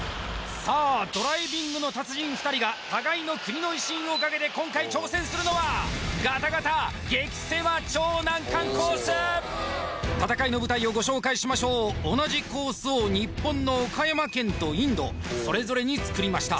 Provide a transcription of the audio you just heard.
さあドライビングの達人２人が互いの国の威信をかけて今回挑戦するのは戦いの舞台をご紹介しましょう同じコースを日本の岡山県とインドそれぞれにつくりました